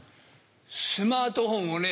スマートフォンをね